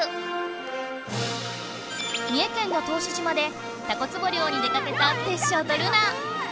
三重県の答志島でタコツボ漁に出かけたテッショウとルナ。